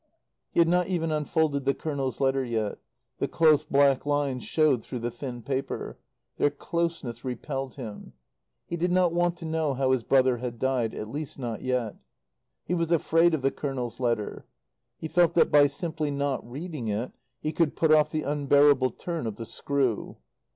He had not even unfolded the Colonel's letter yet. The close black lines showed through the thin paper. Their closeness repelled him. He did not want to know how his brother had died; at least not yet. He was afraid of the Colonel's letter. He felt that by simply not reading it he could put off the unbearable turn of the screw.